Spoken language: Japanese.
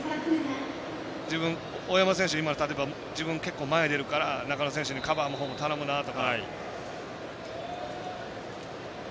大山選手、例えば自分、結構前に出るから中野選手カバーの方も頼むな、とか。